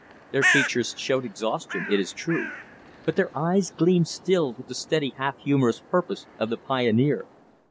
Their features showed exhaustion, it is true, but their eyes gleamed still with the steady half humorous purpose of the pioneer.